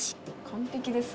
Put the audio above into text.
完璧です。